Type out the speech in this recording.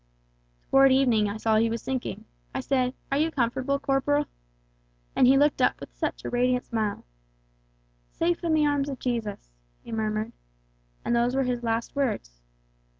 Toward evening I saw he was sinking. I said 'Are you comfortable, corporal?' and he looked up with such a radiant smile: 'Safe in the arms of Jesus,' he murmured, and those were his last words.